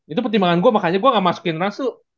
itu pertimbangan gua makanya gua gak masukin ranz tuh